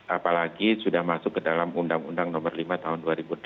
apalagi sudah masuk ke dalam undang undang nomor lima tahun dua ribu delapan